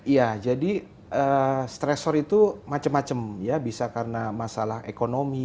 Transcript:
ya jadi stressor itu macam macam ya bisa karena masalah ekonomi